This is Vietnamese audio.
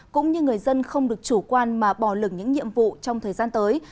cũng như người dân không được chủ quan mà bỏ lửng những nhiệm vụ trong thời gian tới